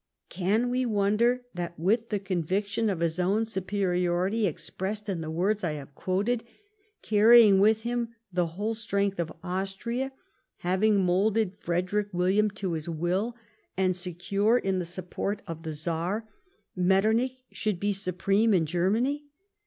Can we wonder that with the conviction of his own superiority expressed in the words I have quoted ; carrying with him the whole strength of Austria ; having moulded Frederick William to his will, and secure in the support of the Czar, Metternich should be supreme in Germany